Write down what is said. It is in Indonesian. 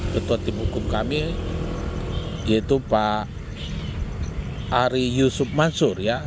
ketua tim hukum kami yaitu pak ari yusuf mansur ya